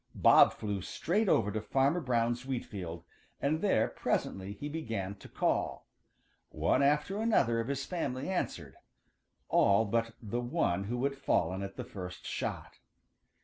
Bob flew straight over to Farmer Brown's wheat field, and there presently he began to call. One after another of his family answered, all but the one who had fallen at the first shot.